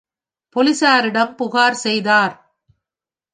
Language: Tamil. போலீஸாரிடம் புகார் செய்தார்.